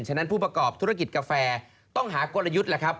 ฉะนั้นผู้ประกอบธุรกิจกาแฟต้องหากลยุทธ์แล้วครับ